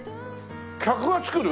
客が作る？